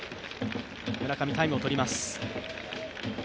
村上、タイムをとります。